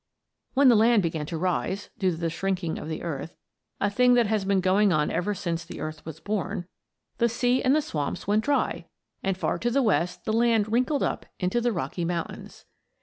When the land began to rise, due to the shrinking of the earth a thing that has been going on ever since the earth was born the sea and the swamps went dry, and far to the west the land wrinkled up into the Rocky Mountains.